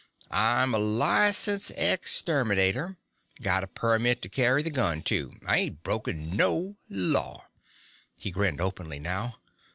"I'm a licensed exterminator. Got a permit to carry the gun, too. I ain't broken no law." He grinned openly now.